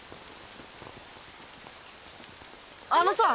あのさ！